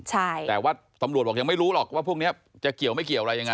แต่ว่าตำรวจบอกยังไม่รู้หรอกว่าพวกนี้จะเกี่ยวไม่เกี่ยวอะไรยังไง